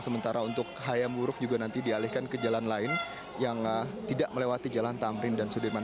sementara untuk hayam huruf juga nanti dialihkan ke jalan lain yang tidak melewati jalan tamrin dan sudirman